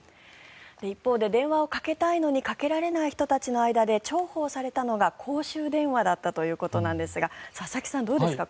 一方で、電話をかけたいのにかけられない人たちの間で重宝されたのが公衆電話だったということなんですが佐々木さん、どうですか？